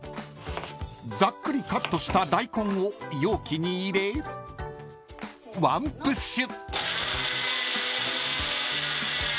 ［ざっくりカットした大根を容器に入れワンプッシュ］